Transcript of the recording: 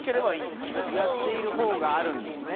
やっている方があるんですね？